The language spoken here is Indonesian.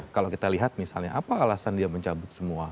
kalau kita lihat misalnya apa alasan dia mencabut semua